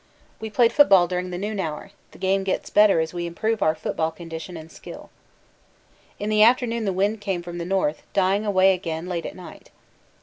We played football during the noon hour the game gets better as we improve our football condition and skill. In the afternoon the wind came from the north, dying away again late at night.